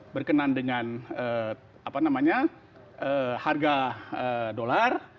berkenaan dengan apa namanya harga dolar